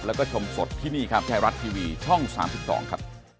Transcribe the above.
แล้วก็ชมสดที่นี่ครับไทยรัฐทีวีช่อง๓๒ครับ